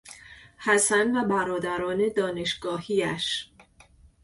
حسن و برادران دانشگاهیاش